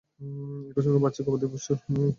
একই সঙ্গে বাড়ছে গবাদিপশুর খামারের সংখ্যা।